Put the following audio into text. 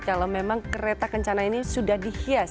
kalau memang kereta kencana ini sudah dihias